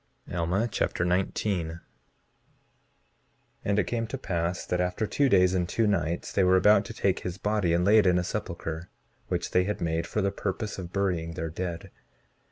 Alma Chapter 19 19:1 And it came to pass that after two days and two nights they were about to take his body and lay it in a sepulchre, which they had made for the purpose of burying their dead.